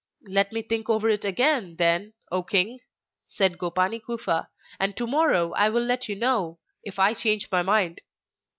'Let me think over it again then, O king,' said Gopani Kufa, 'and to morrow I will let you know if I change my mind.